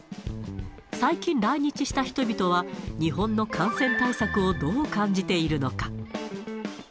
最近来日した人々は、日本の感染対策をどう感じているのか。